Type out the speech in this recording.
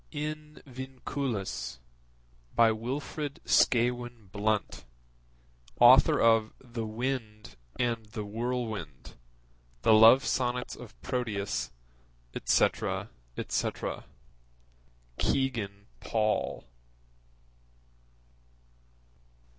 In Vinculis. By Wilfrid Scawen Blunt, Author of The Wind and the Whirlwind, The Love Sonnets of Proteus, etc. etc. (Kegan Paul.)